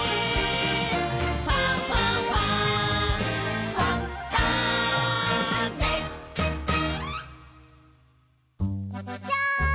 「ファンファンファン」ジャン！